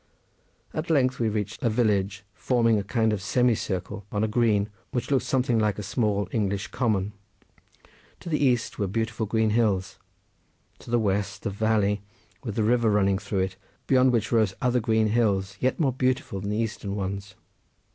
At length we reached a village, forming a kind of semicircle on a green, which looked something like a small English common. To the east were beautiful green hills; to the west the valley, with the river running through it, beyond which rose other green hills, yet more beautiful than the eastern ones.